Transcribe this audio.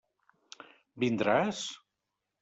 Vindràs?